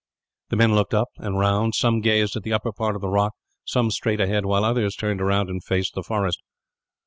The men looked up, and round. Some gazed at the upper part of the rock, some straight ahead, while others turned round and faced the forest.